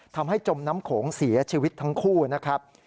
จมน้ำโขงเสียชีวิตทั้งคู่นะครับ